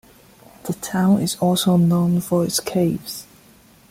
The town is also known for its caves.